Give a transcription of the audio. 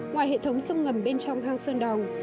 ngoài hệ thống sông ngầm bên trong hang sơn đòn